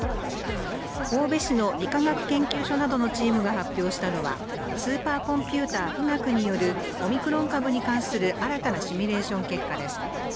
神戸市の理化学研究所などのチームが発表したのはスーパーコンピューター・富岳によるオミクロン株に関する新たなシミュレーション結果です。